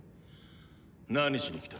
何しに来た？